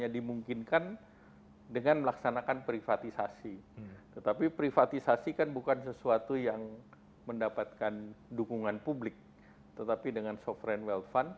jadi ini adalah sebuah perubahan yang sangat dilihat oleh bapak presiden